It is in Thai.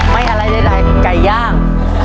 อะไรใดไก่ย่าง